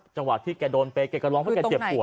จังหวะที่แกโดนไปแกก็ร้องเพราะแกเจ็บปวด